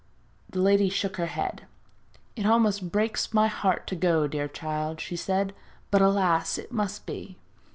The lady shook her head. 'It almost breaks my heart to go, dear child,' she said, 'but, alas! it must be.'